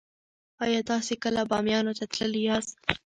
ایا تاسې کله بامیانو ته تللي یاست؟